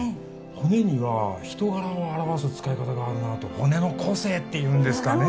骨には人柄を表す使い方があるなと骨の個性っていうんですかね